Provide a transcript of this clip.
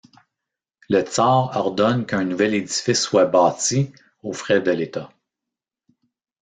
Le Tsar ordonne qu'un nouvel édifice soit bâti aux frais de l'État.